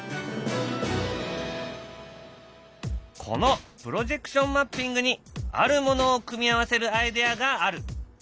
このプロジェクションマッピングにあるものを組み合わせるアイデアがある。